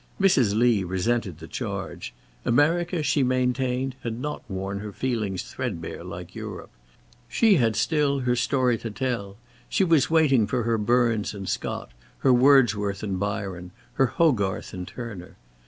Mrs. Lee resented the charge. America, she maintained, had not worn her feelings threadbare like Europe. She had still her story to tell; she was waiting for her Burns and Scott, her Wordsworth and Byron, her Hogarth and Turner.